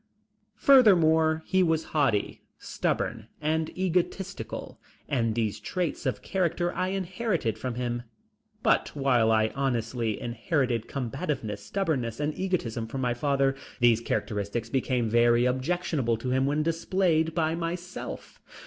Furthermore, he was haughty, stubborn and egotistical, and these traits of character I inherited from him. But while I honestly inherited combativeness, stubbornness and egotism from my father, these characteristics became very objectionable to him when displayed by myself.